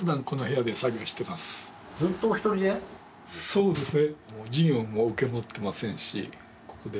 そうですね